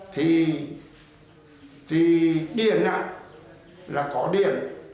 thì điện là có điện